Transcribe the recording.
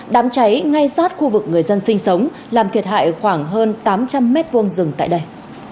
đám cháy ngay sát khu vực người dân sinh sống làm thiệt hại khoảng hơn tám trăm linh m hai rừng tại đây